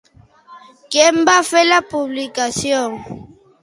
Qui en va fer la publicació?